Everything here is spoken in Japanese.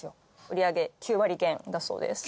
売り上げ９割減だそうです。